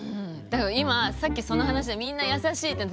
だけど今さっきその話でみんな「優しい」って。